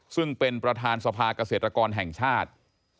ซึ่งเป็นประธานสภาเกษตรกรแห่งชาติ